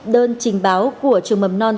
đơn trình báo của trường mầm non